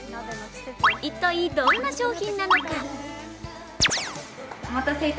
一体どんな商品なのか？